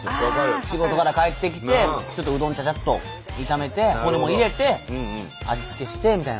仕事から帰ってきてちょっとうどんちゃちゃっと炒めてホルモン入れて味付けしてみたいな。